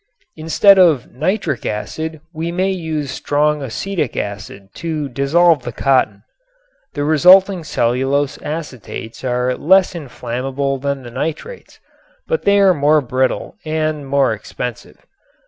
Instead of nitric acid we may use strong acetic acid to dissolve the cotton. The resulting cellulose acetates are less inflammable than the nitrates, but they are more brittle and more expensive.